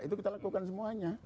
itu kita lakukan semuanya